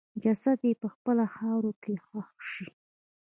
جسد یې په خپله خاوره کې ښخ شي.